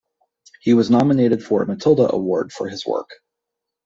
He was nominated for a Matilda Award for his work.